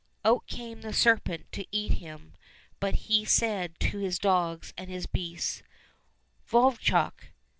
" Out came the serpent to eat him, but he said to his dogs and his beasts, " Vovchok